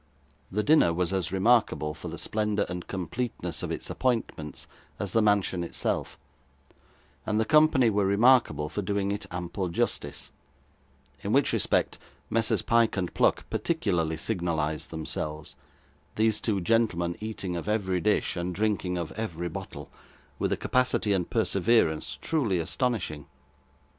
The dinner was as remarkable for the splendour and completeness of its appointments as the mansion itself, and the company were remarkable for doing it ample justice, in which respect Messrs Pyke and Pluck particularly signalised themselves; these two gentlemen eating of every dish, and drinking of every bottle, with a capacity and perseverance truly astonishing.